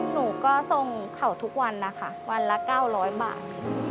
หนูก็ส่งเขาทุกวันนะคะวันละ๙๐๐บาท